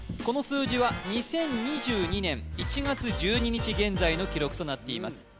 この数字は２０２２年１月１２日現在の記録となっています